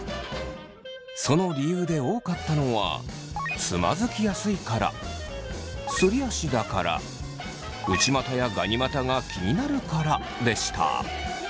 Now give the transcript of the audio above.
その理由で多かったのは「つまずきやすいから」「すり足だから」「内股やガニ股が気になるから」でした。